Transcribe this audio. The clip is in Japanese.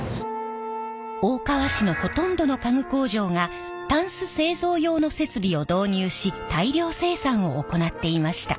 大川市のほとんどの家具工場がタンス製造用の設備を導入し大量生産を行っていました。